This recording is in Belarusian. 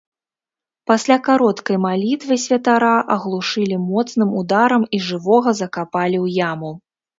Пасля кароткай малітвы святара аглушылі моцным ударам і жывога закапалі ў яму.